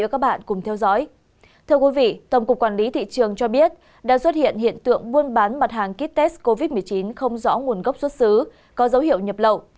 thưa quý vị tổng cục quản lý thị trường cho biết đã xuất hiện hiện tượng buôn bán mặt hàng kit test covid một mươi chín không rõ nguồn gốc xuất xứ có dấu hiệu nhập lậu